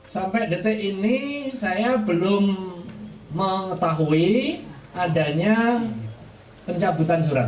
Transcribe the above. sampai detik ini saya belum mengetahui adanya pencabutan surat